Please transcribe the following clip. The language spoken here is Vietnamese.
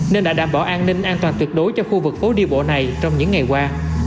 nên đã đảm bảo an ninh an toàn tuyệt đối cho khu vực phố đi bộ này trong những ngày qua